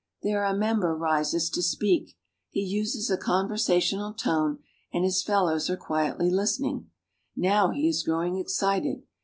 There a member rises to speak. He uses a conversa tional tone and his fellows are quietly listening. Now he is growing excited.